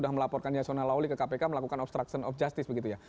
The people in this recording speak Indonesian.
sudah melaporkan yasona lawli ke kpk melakukan obstruction of justice begitu ya